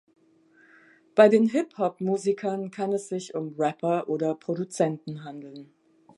Bei den Hip-Hop-Musikern kann es sich um Rapper oder Produzenten handeln.